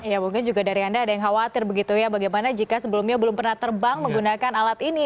ya mungkin juga dari anda ada yang khawatir begitu ya bagaimana jika sebelumnya belum pernah terbang menggunakan alat ini